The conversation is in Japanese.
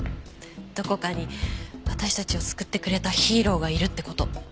どこかに私たちを救ってくれたヒーローがいるって事。